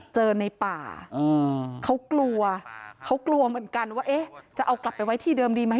เจอในป่าเขากลัวเขากลัวเหมือนกันว่าเอ๊ะจะเอากลับไปไว้ที่เดิมดีไหม